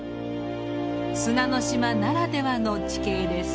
砂の島ならではの地形です。